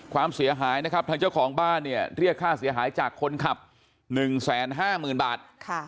ความเสียหายนะครับทางเจ้าของบ้านเนี่ยเรียกค่าเสียหายจากคนขับ๑๕๐๐๐บาท